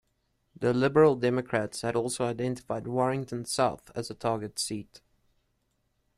The Liberal Democrats had also identified Warrington South as a target seat.